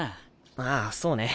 ああそうね。